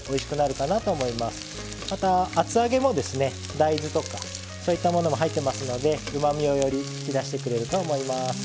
大豆とかそういったものも入ってますのでうまみをより引き出してくれると思います。